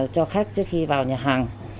cho khách trước khi vào nhà hàng